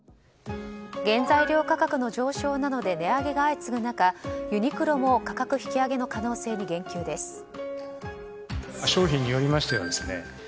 原材料価格の上昇などで値上げが相次ぐ中、ユニクロも価格引き上げの可能性に言及です。